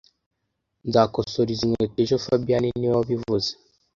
Nzakosora izi nkweto ejo fabien niwe wabivuze